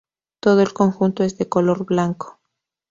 Todo el conjunto es de color blanco.